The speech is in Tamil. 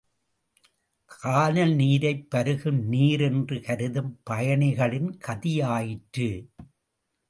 கானல் நீரைப் பருகும் நீர் என்று கருதும் பயணிகளின் கதி ஆயிற்று.